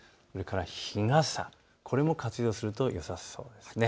日傘、これも活用するとよさそうです。